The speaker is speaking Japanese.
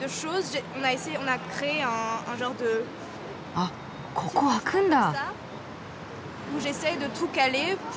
あっここ開くんだ。